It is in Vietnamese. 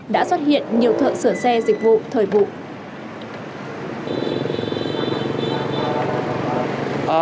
dự thợ sửa xe dịch vụ thời vụ